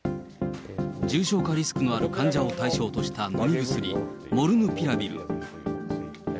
重症化リスクのある患者を対象とした飲み薬、モルヌピラビル。